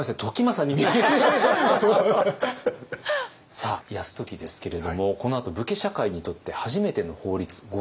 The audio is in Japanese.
さあ泰時ですけれどもこのあと武家社会にとって初めての法律御成敗式目を制定します。